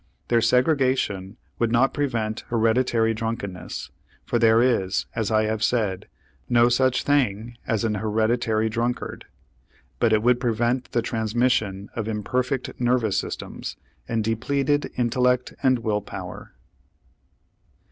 Their segregation would not prevent hereditary drunkenness, for there is, as I have said, no such thing as an hereditary drunkard, but it would prevent the transmission of imperfect nervous systems, and depleted intellect and will power.